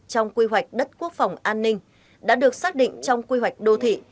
trong quy hoạch đất quốc phòng an ninh đã được xác định trong quy hoạch đô thị